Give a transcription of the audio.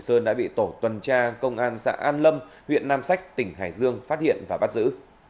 sơn đã bị tổ tuần tra công an xã an lâm huyện nam sách tỉnh hải dương phát hiện và bắt giữ